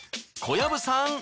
小籔さん